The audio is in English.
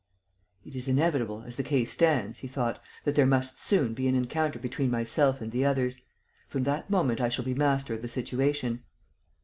"It is inevitable, as the case stands," he thought, "that there must soon be an encounter between myself and the others. From that moment I shall be master of the situation."